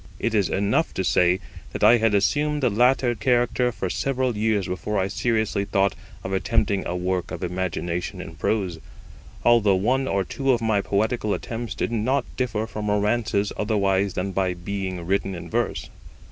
It is enough to say, that I had assumed the latter character for several years before I seriously thought of attempting a work of imagination in prose, although one or two of my poetical attempts did not differ from romances otherwise than by being written in verse.